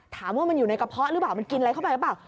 ถามว่ามันอยู่ในกระเพาะหรือเปล่ามันกินอะไรเข้าไปหรือเปล่า